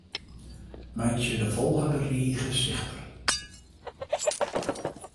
Meitsje de folgjende rige sichtber.